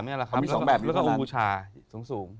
มี๒แบบแล้วก็บูชา๒สูง